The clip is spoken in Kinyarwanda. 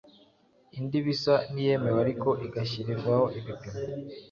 indi bisa n’ iyemewe ariko igashyirirwaho ibipimo